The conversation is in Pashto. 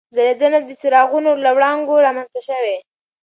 ځلېدنه د څراغونو له وړانګو رامنځته شوې.